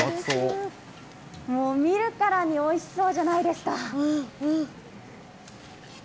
もう見るからにおいしそうじゃないですか。